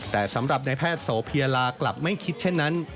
แต่สำหรับในแพทย์โสเพียลากลับไม่คิดเช่นนั้น